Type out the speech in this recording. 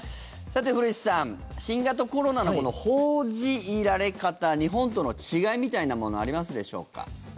さて、古市さん新型コロナの報じられ方日本との違いみたいなものありますでしょうか。